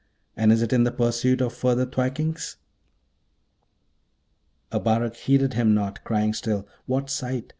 And is it in the pursuit of further thwackings?' Abarak heeded him not, crying still, 'What sight?'